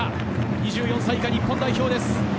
２４歳以下日本代表です。